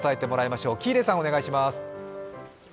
喜入さん、お願いします。